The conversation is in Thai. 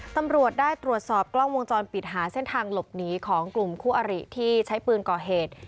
ตำรวจได้ตรวจสอบกล้องวงจรปิดหาเส้นทางหลบหนีของกลุ่มคู่อริที่ใช้ปืนก่อเหตุ